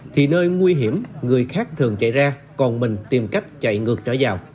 thì nơi nguy hiểm người khác thường chạy ra còn mình tìm cách chạy ngược trở vào